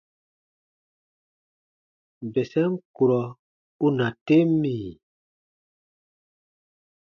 Bɛsɛm kurɔ u na tem mì ?: